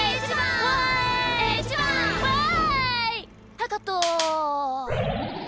はいカット。